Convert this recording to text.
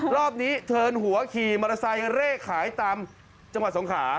รอบนี้เทินหัวขี่มอเตอร์ไซค์เร่ขายตามจังหวัดสงขา